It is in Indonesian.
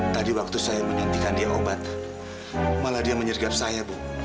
tadi waktu saya menyuntikan dia obat malah dia menyergap saya bu